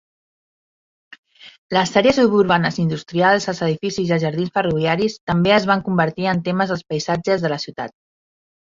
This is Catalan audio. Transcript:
Les àrees suburbanes i industrials, els edificis i els jardins ferroviaris també es van convertir en temes dels paisatges de la ciutat.